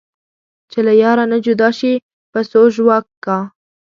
چې له یاره نه جدا شي پسو ژواک کا